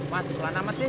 mas pelan amat sih